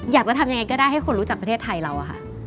อยากจะทำยังไงก็ได้ให้คนรู้จักประเทศไทยเราอะค่ะ